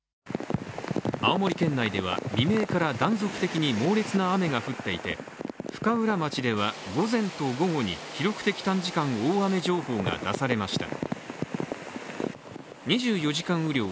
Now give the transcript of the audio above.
青森県内では未明から断続的に猛烈な雨が降っていて深浦町では午前と午後に記録的短時間大雨情報が出されました。